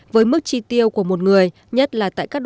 với mức chi tiêu của một người nhất là tại các đại học